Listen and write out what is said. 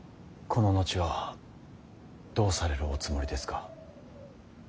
この後はどうされるおつもりですか。